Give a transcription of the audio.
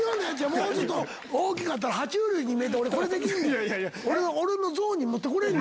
もうちょっと大きかったら爬虫類に見えてこれできんねん。